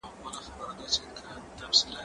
زه له سهاره موسيقي اورم